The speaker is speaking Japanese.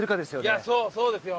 いやそうそうですよ。